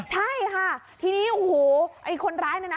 ใช่ค่ะทีนี้โอ้โหไอ้คนร้ายเนี่ยนะ